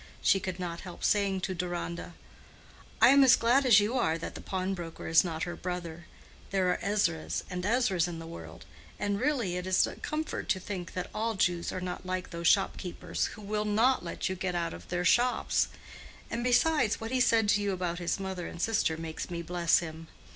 She could not help saying to Deronda, "I am as glad as you are that the pawnbroker is not her brother: there are Ezras and Ezras in the world; and really it is a comfort to think that all Jews are not like those shopkeepers who will not let you get out of their shops: and besides, what he said to you about his mother and sister makes me bless him.